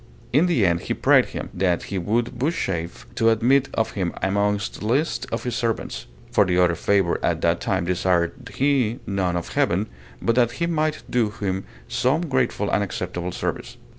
In the end he prayed him, that he would vouchsafe to admit of him amongst the least of his servants; for other favour at that time desired he none of heaven, but that he might do him some grateful and acceptable service.